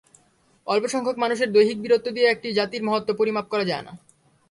অল্পসংখ্যক মানুষের দৈহিক বীরত্ব দিয়ে একটি জাতির মহত্ত্ব পরিমাপ করা যায় না।